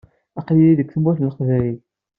Aql-iyi deg Tmurt n Leqbayel.